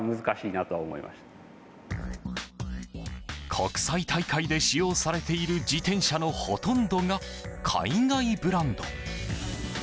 国際大会で使用されている自転車のほとんどが海外ブランド。